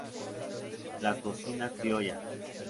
La cocina criolla.